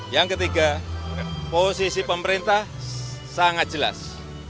yang ketiga posisi pemerintah sangat jelas